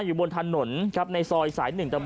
อยู่บนถนนครับในซอยสายหนึ่ง